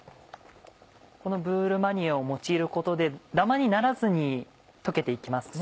このブールマニエを用いることでダマにならずに溶けて行きますね。